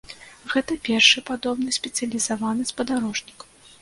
Гэта першы падобны спецыялізаваны спадарожнік.